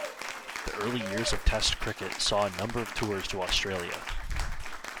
The early years of Test cricket saw a number of tours to Australia.